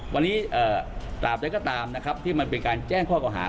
วันนี้ตราบใดก็ตามนะครับที่มันเป็นการแจ้งข้อเก่าหา